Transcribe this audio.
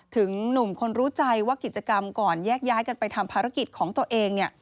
หนุ่มคนรู้ใจว่ากิจกรรมก่อนแยกย้ายกันไปทำภารกิจของตัวเองเนี่ย